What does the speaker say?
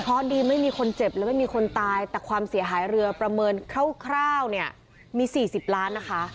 เพราะดีไม่มีคนเจ็บและไม่มีคนตายแต่ความเสียหายเรือประเมินคร่าวเนี่ยมี๔๐ล้านนะคะ